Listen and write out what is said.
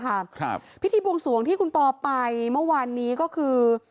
ครับพิธีบวงสวงที่คุณปอไปเมื่อวานนี้ก็คือ